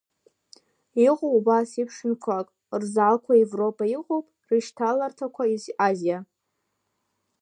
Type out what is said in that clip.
Иҟоуп убас еиԥш ҩынқәак, рзалқәа Европа иҟоуп, рышьҭаларҭақәа Азиа.